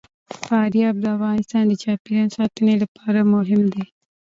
فاریاب د افغانستان د چاپیریال ساتنې لپاره مهم دي.